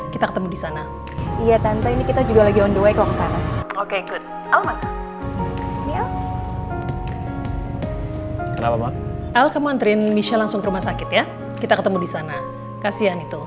kita ketemu di sana kasian itu